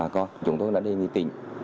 chúng tôi đã đề nghị tỉnh